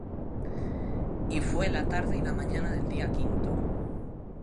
Y fué la tarde y la mañana el día quinto.